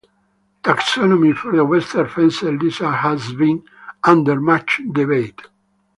Taxonomy for the western fence lizard has been under much debate.